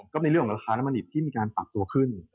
ก็ในเรื่องของราคาน้ำมันดิบที่มีการปรับตัวขึ้น